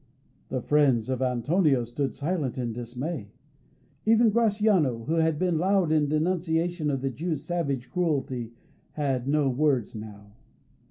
The friends of Antonio stood silent in dismay. Even Gratiano, who had been loud in denunciation of the Jew's savage cruelty, had no words now.